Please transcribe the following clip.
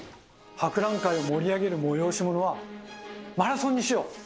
博覧会を盛り上げる催し物はマラソンにしよう！